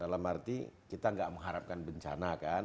dalam arti kita gak mengharapkan bencana kan